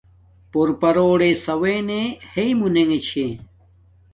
پور پارو ریݵے ساونݣے ہیݵ مونی نے چھے